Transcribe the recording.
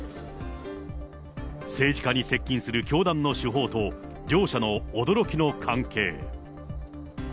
政治家に接近する教団の手法と、両者の驚きの関係。